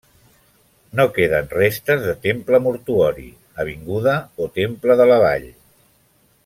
No queden restes de temple mortuori, Avinguda o temple de la vall.